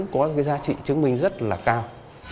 có giá trị chứng minh rất là cao